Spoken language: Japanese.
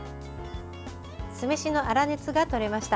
酢飯の粗熱が取れました。